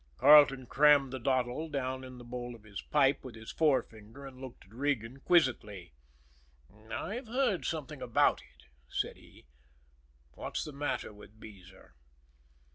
Carleton crammed the dottle down in the bowl of his pipe with his forefinger, and looked at Regan quizzically. "I've heard something about it," said he. "What's the matter with Beezer?"